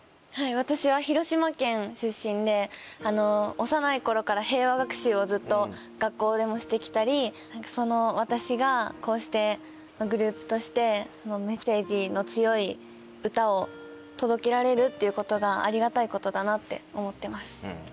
私は広島県出身で幼い頃から平和学習をずっと学校でもして来たりその私がこうしてグループとしてメッセージの強い歌を届けられるっていうことがありがたいことだなって思ってます。